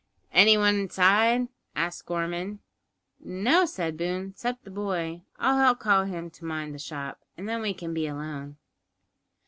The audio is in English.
"Anyone inside?" asked Gorman. "No," said Boone, "'cept the boy. I'll call him to mind the shop, and then we can be alone."